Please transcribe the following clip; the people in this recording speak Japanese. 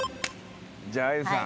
じゃああゆさん。